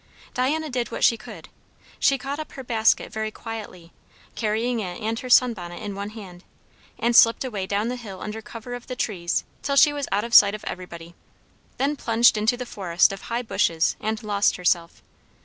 Diana did what she could. She caught up her basket very quietly, carrying it and her sun bonnet in one hand, and slipped away down the hill under cover of the trees till she was out of sight of everybody; then plunged into the forest of high bushes and lost herself.